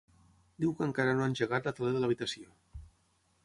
Diu que encara no ha engegat la tele de l'habitació.